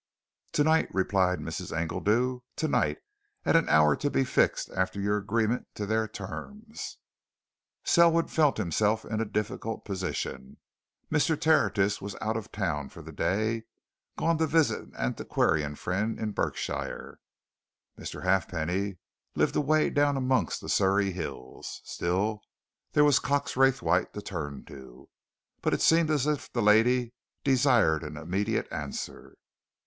"Tonight!" replied Mrs. Engledew. "Tonight at an hour to be fixed after your agreement to their terms." Selwood felt himself in a difficult position. Mr. Tertius was out of town for the day, gone to visit an antiquarian friend in Berkshire: Mr. Halfpenny lived away down amongst the Surrey hills. Still, there was Cox Raythwaite to turn to. But it seemed as if the lady desired an immediate answer.